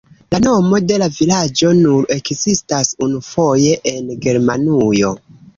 La nomo de la vilaĝo nur ekzistas unufoje en Germanujo.